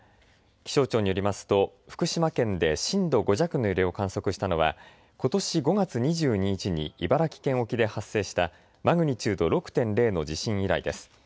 気象庁によりますと福島県で震度５弱の揺れを観測したのはことし５月２２日に茨城県沖で発生したマグニチュード６．０の地震以来です。